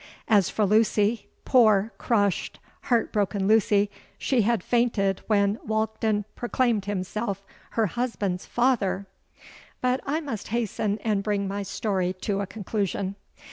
As for Lucy—poor, crushed, heart broken Lucy—she had fainted when Walkden proclaimed himself her husband's father! But I must hasten and bring my story to a conclusion.